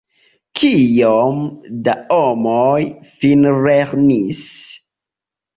Kiom da homoj finlernis?